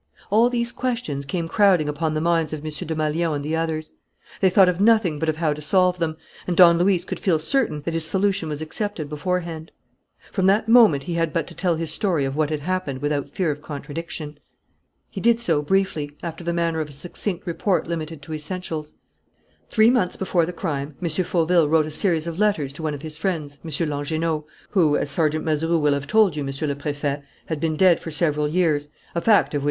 All these questions came crowding upon the minds of M. Desmalions and the others. They thought of nothing but of how to solve them, and Don Luis could feel certain that his solution was accepted beforehand. From that moment he had but to tell his story of what had happened without fear of contradiction. He did so briefly, after the manner of a succinct report limited to essentials: "Three months before the crime, M. Fauville wrote a series of letters to one of his friends, M. Langernault, who, as Sergeant Mazeroux will have told you, Monsieur le Préfet, had been dead for several years, a fact of which M.